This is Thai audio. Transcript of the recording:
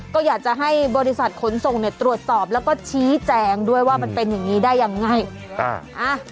ก็อยากจะให้บริษัทขนส่งเนี่ยตรวจสอบแล้วก็ชี้แจงด้วยว่ามันเป็นอย่างนี้ได้ยังไง